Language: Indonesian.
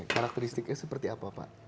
karakteristiknya seperti apa pak